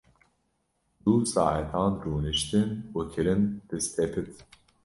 Du saetan rûniştin û kirin pistepit.